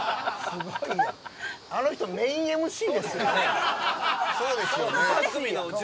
あの人、メインＭＣですよ。